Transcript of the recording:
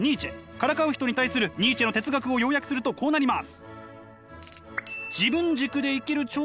からかう人に対するニーチェの哲学を要約するとこうなります。